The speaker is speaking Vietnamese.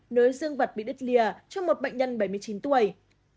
nới dương vật bị đứt lìa cho một bệnh nhân bảy mươi chín tuổi